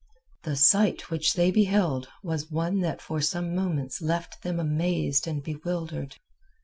The sight which they beheld was one that for some moments left them mazed and bewildered.